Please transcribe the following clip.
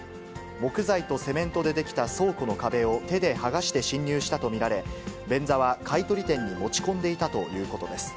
木材とセメントで出来た倉庫の壁を手で剥がして侵入したと見られ、便座は買い取り店に持ち込んでいたということです。